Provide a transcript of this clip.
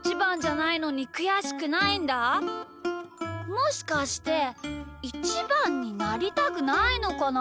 もしかしてイチバンになりたくないのかな？